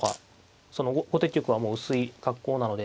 後手玉はもう薄い格好なので。